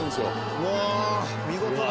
「うわあ見事だな」